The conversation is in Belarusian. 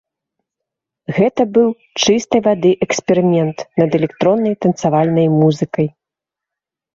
Гэта быў чыстай вады эксперымент над электроннай танцавальнай музыкай.